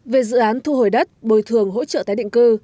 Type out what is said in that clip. về dự án thu hồi đất bồi thường hỗ trợ tái định cư